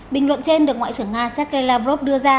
bình luận trên được ngoại trưởng nga sergei lavrov đưa ra